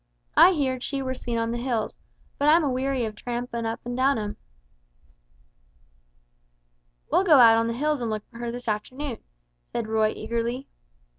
I heerd she were seen on the hills, but I'm a weary of trampin' up and down 'em." "We'll go out on the hills and look for her this afternoon," said Roy, eagerly.